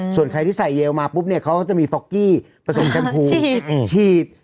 ส่วนใครที่ใส่เยลมาปุ๊บเนี่ยเขาจะมีฟอกกี้ผสมแชมพูฉีด